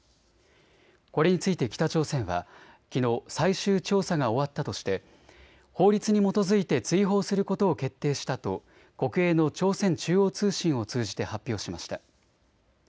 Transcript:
これについて北朝鮮はきのう最終調査が終わったとして法律に基づいて追放することを決定したと国営の朝鮮中央通信を通じて発表しました。